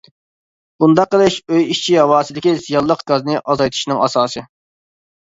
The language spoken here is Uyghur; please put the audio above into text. بۇنداق قىلىش ئۆي ئىچى ھاۋاسىدىكى زىيانلىق گازنى ئازايتىشنىڭ ئاساسى.